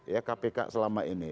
ya kpk selama ini